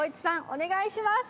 お願いします。